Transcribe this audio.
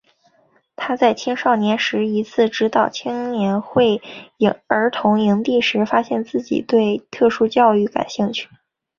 他在青少年时一次指导青年会儿童营地时发现自己对特殊教育感兴趣。